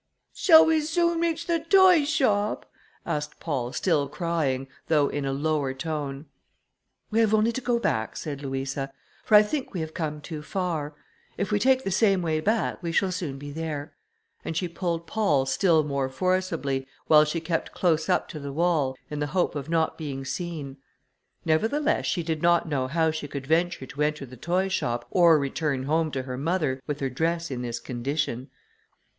"Shall we soon reach the toy shop?" asked Paul, still crying, though in a lower tone. "We have only to go back," said Louisa, "for I think we have come too far; if we take the same way back, we shall soon be there," and she pulled Paul still more forcibly, while she kept close up to the wall, in the hope of not being seen; nevertheless, she did not know how she could venture to enter the toy shop, or return home to her mother, with her dress in this condition.